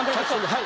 はい。